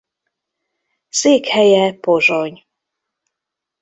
Székhelye Pozsony.